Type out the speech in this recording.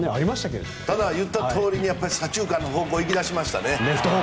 ただ、言ったとおり左中間の方向に行きだしましたね。